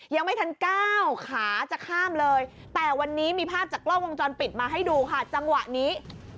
ยังไม่ทันก้าวขาจะข้ามเลยแต่วันนี้มีภาพจากกล้องวงจรปิดมาให้ดูค่ะจังหวะนี้